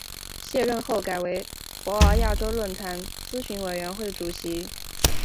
卸任后改任博鳌亚洲论坛咨询委员会主席。